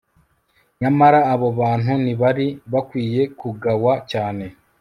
nyamara abo bantu ntibari bakwiye kugawa cyane